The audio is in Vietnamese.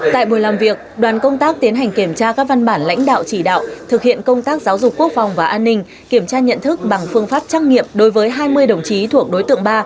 tại buổi làm việc đoàn công tác tiến hành kiểm tra các văn bản lãnh đạo chỉ đạo thực hiện công tác giáo dục quốc phòng và an ninh kiểm tra nhận thức bằng phương pháp trắc nghiệm đối với hai mươi đồng chí thuộc đối tượng ba